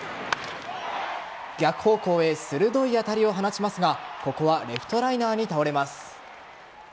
逆方向へ鋭い当たりを放ちますがここはレフトライナーに倒れます。